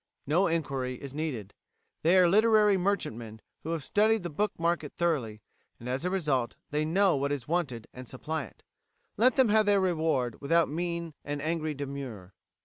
No "inquiry" is needed. They are literary merchantmen who have studied the book market thoroughly, and as a result they know what is wanted and supply it. Let them have their reward without mean and angry demur.